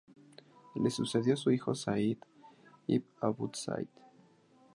Lo sucedió su hijo Said ibn Abu-Saïd.